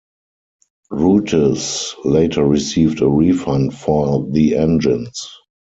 Rootes later received a refund for the engines.